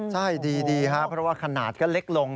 ใช่ดีครับเพราะว่าขนาดก็เล็กลง